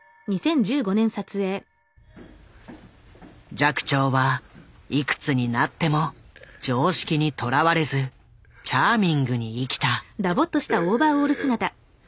寂聴はいくつになっても常識にとらわれずチャーミングに生きた。